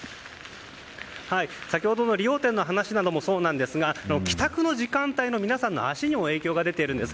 先ほどの理容店の話もそうなんですが帰宅の時間帯の皆さんの足にも影響が出ているんです。